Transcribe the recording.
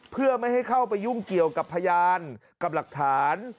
เพื่อไม่ให้เข้าไปยุ่งเกี่ยวกับพยานกับหลักฐาน